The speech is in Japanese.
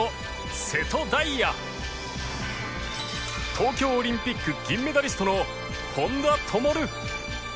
東京オリンピック銀メダリストの本多灯